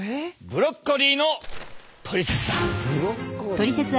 ブロッコリーのトリセツ？